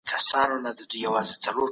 نوي توري باید په الفبې کي ځای پر ځای سي.